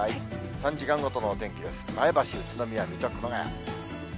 ３時間ごとのお天気です、前橋、宇都宮、水戸、熊谷。